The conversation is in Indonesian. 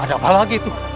ada apa lagi itu